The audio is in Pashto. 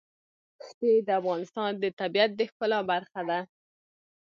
ښتې د افغانستان د طبیعت د ښکلا برخه ده.